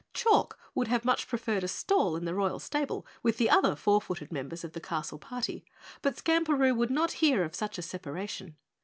Chalk would have much preferred a stall in the Royal Stable with the other four footed members of the castle party, but Skamperoo would not hear of such a separation.